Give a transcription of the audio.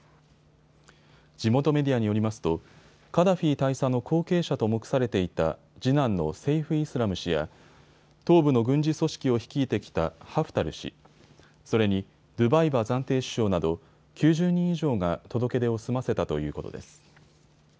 地元メディアによりますとカダフィ大佐の後継者と目されていた次男のセイフ・イスラム氏や東部の軍事組織を率いてきたハフタル氏、それにドゥバイバ暫定首相など９０人以上が届け出を済ませたということです。